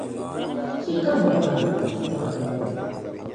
chɛ ka m bɔhi a m bɔhigu ŋɔ.